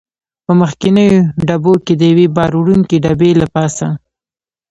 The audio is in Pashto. په مخکنیو ډبو کې د یوې بار وړونکې ډبې له پاسه.